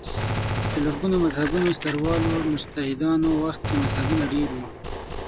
د څلور ګونو مذهبونو سروالو مجتهدانو وخت کې مذهبونه ډېر وو